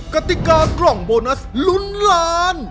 กติกากล่องโบนัสลุ้นล้าน